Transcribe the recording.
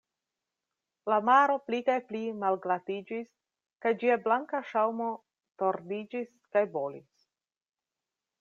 La maro pli kaj pli malglatiĝis kaj ĝia blanka ŝaŭmo tordiĝis kaj bolis.